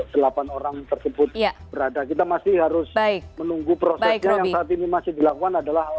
delapan orang tersebut berada kita masih harus menunggu prosesnya yang saat ini masih dilakukan adalah